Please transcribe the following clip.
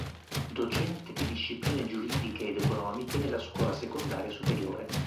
Docente di Discipline giuridiche ed economiche nella Scuola secondaria superiore.